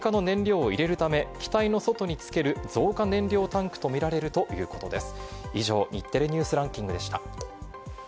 防衛省の関係者によりますと追加の燃料を入れるため、機体の外につける増加燃料タンクとみられるということです。